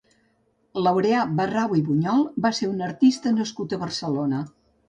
Laureà Barrau i Buñol va ser un artista nascut a Barcelona.